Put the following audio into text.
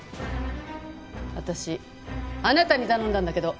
私あなたに頼んだんだけど。